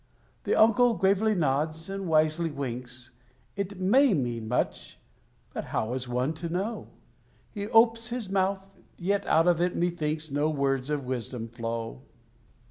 The Uncle gravely nods, and wisely winks. It may mean much, but how is one to know? He opes his mouth yet out of it, methinks, No words of wisdom flow.